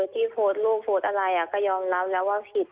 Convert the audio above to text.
ที่โพสต์รูปโพสต์อะไรก็ยอมรับแล้วว่าผิด